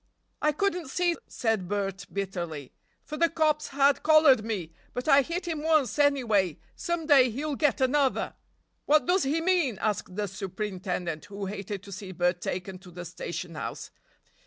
"I couldn't see!" said Bert bitterly, "for the cops had collared me, but I hit him once, anyway! Some day he'll get another!" "What does he mean?" asked the superintendent, who hated to see Bert taken to the station house.